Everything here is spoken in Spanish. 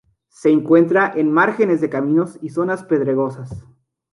Se encuentra en márgenes de caminos y zonas pedregosas.